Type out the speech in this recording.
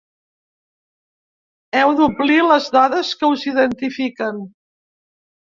Heu d’omplir les dades que us identifiquen.